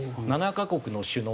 ７カ国の首脳